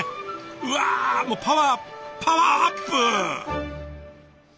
うわもうパワーアップ！